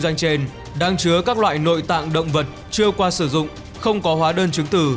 danh trên đang chứa các loại nội tạng động vật chưa qua sử dụng không có hóa đơn chứng từ